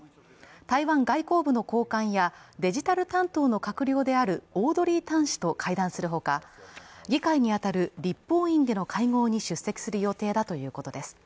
台湾外交部の高官やデジタル担当の閣僚であるオードリー・タン氏と会談するほか、議会に当たる立法院での会合に出席する予定だということです。